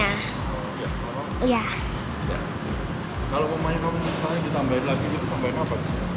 kalau rumahnya kamu mau ditambahin lagi ditambahin apa disini